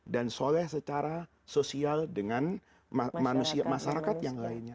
dan sholay secara sosial dengan masyarakat yang lainnya